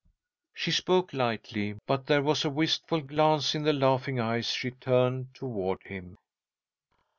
She spoke lightly, but there was a wistful glance in the laughing eyes she turned toward him.